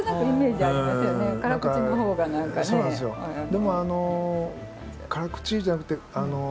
でも辛口じゃなくてうまさ